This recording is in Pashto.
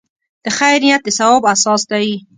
د خیر نیت د ثواب اساس دی.